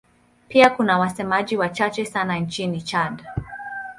Pia kuna wasemaji wachache sana nchini Chad.